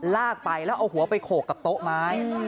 ลากไปแล้วเอาหัวไปโขกกับโต๊ะไม้